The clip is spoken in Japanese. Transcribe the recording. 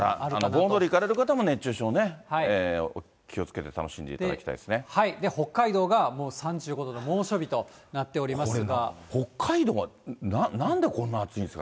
だから盆踊り行かれる方も熱中症ね、気をつけて楽しんでいた北海道がもう３５度の猛暑日これ、北海道、なんでこんな暑いんですか。